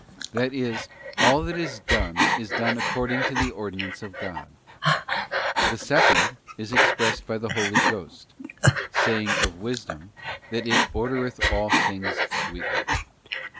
'* That is, all that is done is done accord ing to the ordinance of God. The second is expressed by the Holy Ghost saying of wisdom that it 'ordereth all things sweetly.